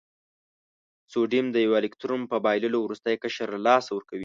سوډیم د یو الکترون په بایللو وروستی قشر له لاسه ورکوي.